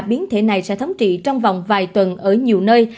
biến thể này sẽ thống trị trong vòng vài tuần ở nhiều nơi